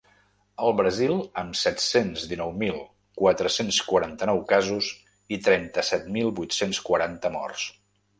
El Brasil, amb set-cents dinou mil quatre-cents quaranta-nou casos i trenta-set mil vuit-cents quaranta morts.